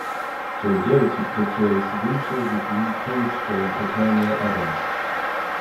Troy Garity portrays Winchell with Lee Pace playing Calpernia Addams.